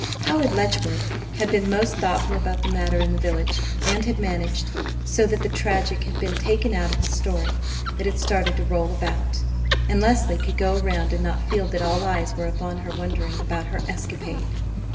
Howard Letchworth had been most thoughtful about the matter in the village, and had managed so that the tragic had been taken out of the story that had started to roll about, and Leslie could go around and not feel that all eyes were upon her wondering about her escapade.